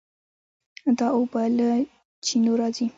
دا اوبه له چینو راځي.